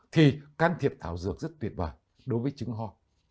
thì can thiệp thảo dược rất tuyệt vời đối với trứng ho